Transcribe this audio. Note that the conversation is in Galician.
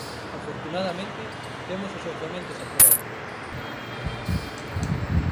Afortunadamente, temos os orzamentos aprobados.